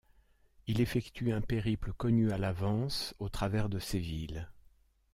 Il effectue un périple connu à l'avance au travers de ces villes.